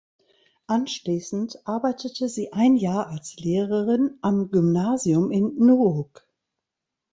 Anschließend arbeitete sie ein Jahr als Lehrerin am Gymnasium in Nuuk.